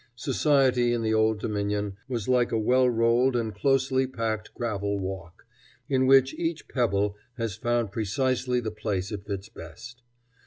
Society in the Old Dominion was like a well rolled and closely packed gravel walk, in which each pebble has found precisely the place it fits best.